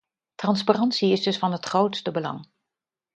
Transparantie is dus van het grootste belang.